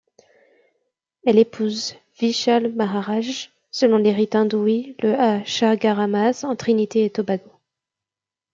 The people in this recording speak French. Elle épouse Vishal Maharaj selon les rites hindous le à Chaguaramas, en Trinité-et-Tobago.